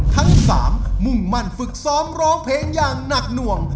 ทั้งสามมุ่งมั่นฝึกซ้อมร้องเพลงอย่างหนักหน่วง